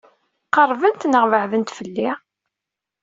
Qeṛbent neɣ beɛdent fell-i?